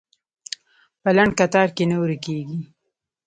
په لنډ کتار کې نه ورکېږي.